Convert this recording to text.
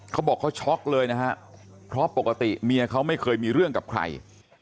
เขาบอกเขาช็อกเลยนะฮะเพราะปกติเมียเขาไม่เคยมีเรื่องกับใคร